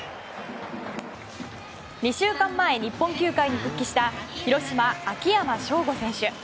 ２週間前、日本球界に復帰した広島、秋山翔吾選手。